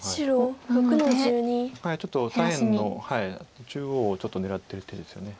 左辺の中央をちょっと狙ってる手ですよね。